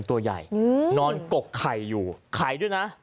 ตัวใหญ่นอนกกไข่อยู่ไข่ด้วยนะ